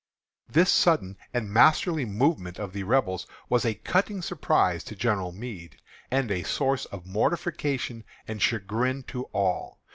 This sudden and masterly movement of the Rebels was a cutting surprise to General Meade, and a source of mortification and chagrin to all.